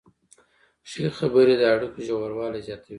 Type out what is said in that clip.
ښې خبرې د اړیکو ژوروالی زیاتوي.